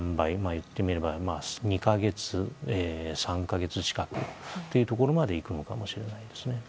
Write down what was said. いってみれば、２か月３か月近くというところまでいくのかもしれないですね。